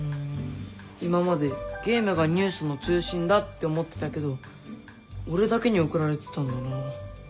今までゲームがニュースの中心だって思ってたけど俺だけに送られてたんだな。